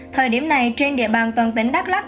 thời điểm này trên địa bàn toàn tỉnh đắk lắc